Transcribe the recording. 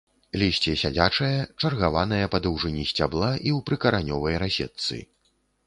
Лісце сядзячае, чаргаванае па даўжыні сцябла і ў прыкаранёвай разетцы.